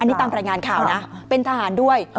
อันนี้ตามรายงานข่าวนะเป็นทหารด้วย